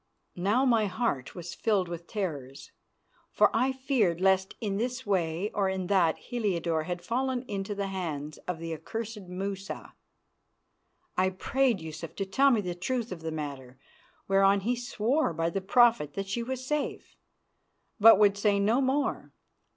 Now my heart was filled with terrors, for I feared lest in this way or in that Heliodore had fallen into the hands of the accursed Musa. I prayed Yusuf to tell me the truth of the matter, whereon he swore by the Prophet that she was safe, but would say no more.